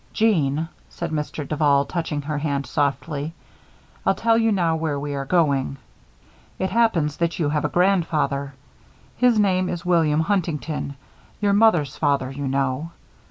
"Jeanne," said Mr. Duval, touching her hand softly, "I'll tell you now where we are going. It happens that you have a grandfather. His name is William Huntington your mother's father, you know.